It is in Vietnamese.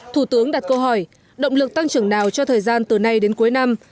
thủ tướng đặt câu hỏi động lực tăng trưởng nào cho thời gian từ nay đến cuối năm